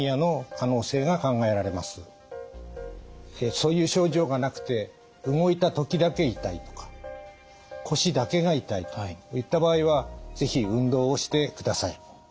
そういう症状がなくて動いた時だけ痛いとか腰だけが痛いといった場合は是非運動をしてください。